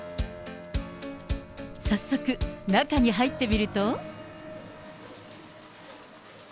早速、中に入ってみると。